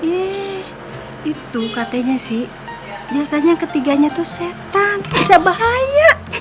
eh itu katanya sih biasanya yang ketiganya tuh setan bisa bahaya